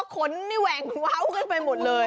ขนนี่แหว่งเว้ากันไปหมดเลย